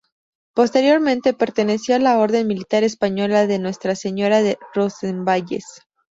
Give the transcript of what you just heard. Posteriormente perteneció a la orden militar española de Nuestra Señora de Roncesvalles.